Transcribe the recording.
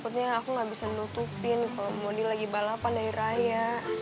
maksudnya aku gak bisa nutupin kalau modi lagi balapan dari raya